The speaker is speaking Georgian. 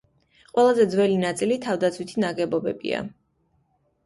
ყველაზე ძველი ნაწილი თავდაცვითი ნაგებობებია.